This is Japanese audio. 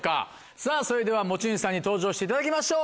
さぁそれでは持ち主さんに登場していただきましょう。